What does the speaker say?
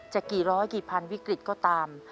จะกี่ร้อยกี่พันวิกฤตก็ตาม